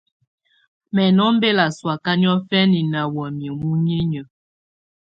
Mɛ̀ nɔ̀ ɔmbela sɔ̀áka niɔ̀fɛna nà wamɛ̀á muninƴǝ́.